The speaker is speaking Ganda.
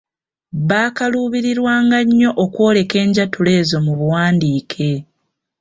Baakaluubirirwanga nnyo okwoleka enjatula ezo mu buwandiike.